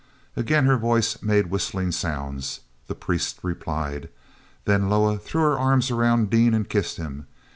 Again her voice made whistling sounds; the priest replied. Then Loah threw her arms around Dean and kissed him.